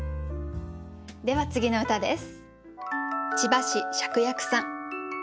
では次の歌です。